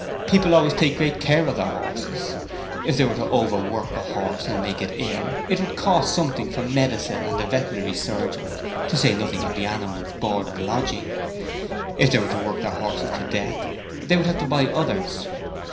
People always take great care of their horses. If they were to overwork a horse and make it ill, it would cost something for medicine and the veterinary surgeon, to say nothing of the animal's board and lodging. If they were to work their horses to death, they would have to buy others.